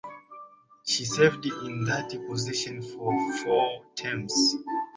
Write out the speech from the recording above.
She served in that position for four terms.